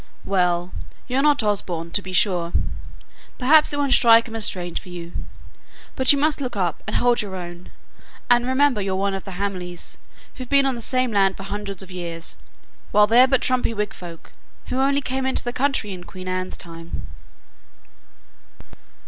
"Well, you're not Osborne, to be sure. Perhaps it won't strike 'em as strange for you. But you must look up, and hold your own, and remember you're one of the Hamleys, who've been on the same land for hundreds of years, while they're but trumpery Whig folk who only came into the county in Queen Anne's time."